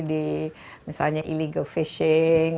di misalnya illegal fishing